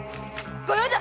御用だ！